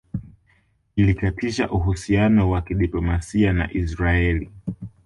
Ilikatisha uhusiano wa kidiplomasia na Israeli